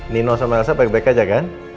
nino sama elsa baik baik aja kan